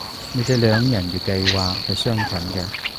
你哋兩人嘅計劃係相近嘅